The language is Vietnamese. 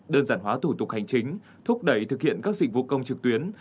đơn giản hóa thủ tục hành chính thúc đẩy thực hiện các dịch vụ công trực tuyến